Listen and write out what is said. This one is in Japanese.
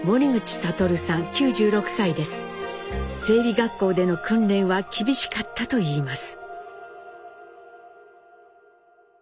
学校での訓練は厳しかったといいます。